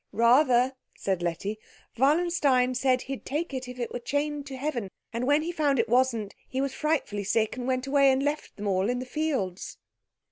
"Rather," said Letty. "Wallenstein said he'd take it if it were chained to heaven, and when he found it wasn't he was frightfully sick, and went away and left them all in the fields."